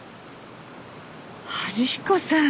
春彦さん。